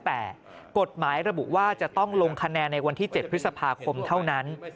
แต่กฎหมายระบุว่าจะต้องลงคะแนนในวันที่๗พฤษภาคมเท่านั้น